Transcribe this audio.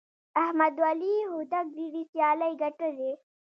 احمد ولي هوتک ډېرې سیالۍ ګټلي.